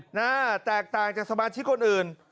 หน้าแตกต่างจากสมาชิกคนอื่น